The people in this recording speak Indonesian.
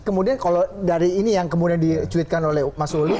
kemudian kalau dari ini yang kemudian dicuitkan oleh mas uli